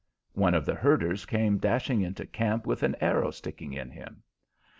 One of the herders came dashing into camp with an arrow sticking in him.